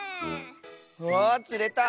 わつれた！